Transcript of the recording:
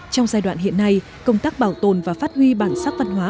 trong giai đoạn hiện nay công tác bảo tồn và phát huy bản sắc văn hóa